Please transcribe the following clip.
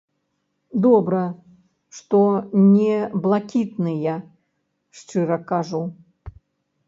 Добра, што не блакітныя, шчыра кажу.